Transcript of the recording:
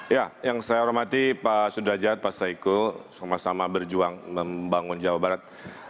ya yang saya hormati pak sudrajat pak saiku sama sama berjuang membangun jawa barat